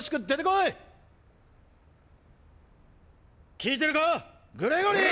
聞いてるか⁉グレゴリー。